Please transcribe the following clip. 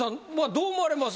どう思われます？